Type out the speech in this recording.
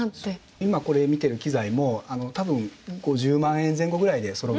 今これ見てる機材も多分５０万円前後ぐらいでそろうと思うんですよね。